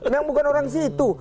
yang bukan orang situ